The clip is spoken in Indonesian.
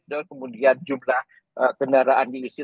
dan kemudian jumlah kendaraan diisi lebih